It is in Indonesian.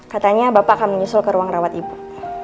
katanya bapak akan menyusul ke ruang rawat ibu